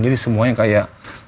jadi semuanya kayak